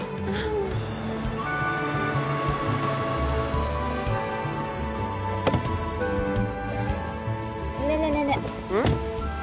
もうねえねえねえねえうん？